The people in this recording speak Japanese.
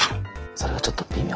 それがちょっと微妙。